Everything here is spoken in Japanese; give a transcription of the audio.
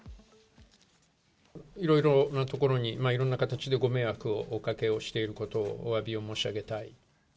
いろんなところにいろんな形でご迷惑をおかけをしていることをおわびを申し上げたい。